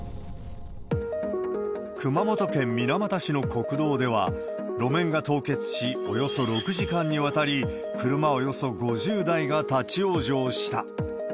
熊本県水俣市の国道では、路面が凍結し、およそ６時間にわたり車およそ５０台が立往生した。